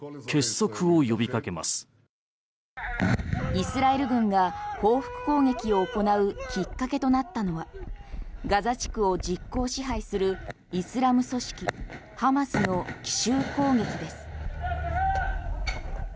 イスラエル軍が報復攻撃を行うきっかけとなったのはガザ地区を実効支配するイスラム組織ハマスの奇襲攻撃です。